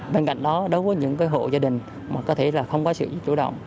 bên cạnh đó đó có những hộ gia đình mà có thể là không có sự chủ động